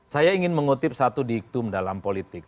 saya ingin mengutip satu diktum dalam politik